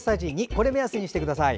これを目安にしてください。